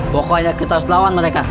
pokoknya kita harus lawan mereka